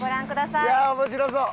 いやあ面白そう！